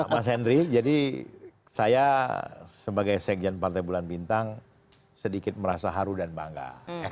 mas henry jadi saya sebagai sekjen partai bulan bintang sedikit merasa haru dan bangga